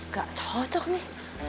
gak tau tuh nih